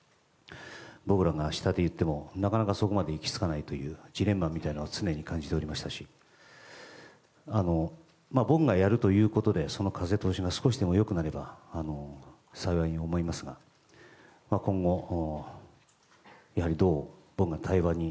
僕らが下で言ってもなかなかそこまで行きつかないジレンマみたいなのを常に感じておりましたし僕がやるということで風通しが少しでも良くなれば幸いに思いますが今後、どんな対話に